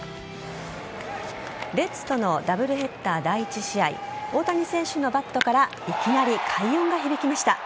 レッズとのダブルヘッダー第１試合大谷選手のバットからいきなり快音が響きました。